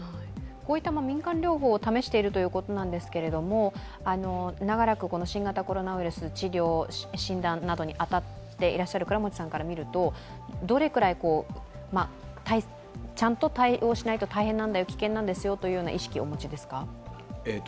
こういった民間療法を試しているということなんですが長らく新型コロナウイルスの治療・診断などにあたっている倉持さんから見るとどれくらいちゃんと対応しないと大変なんだよ、危険なんですよという意識をお持ちですか。